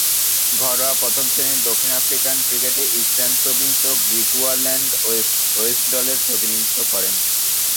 ঘরোয়া প্রথম-শ্রেণীর দক্ষিণ আফ্রিকান ক্রিকেটে ইস্টার্ন প্রভিন্স ও গ্রিকুয়াল্যান্ড ওয়েস্ট দলের প্রতিনিধিত্ব করেন।